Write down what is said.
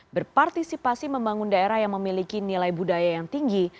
berpartisipasi membangun daerah yang memiliki nilai budaya yang tinggi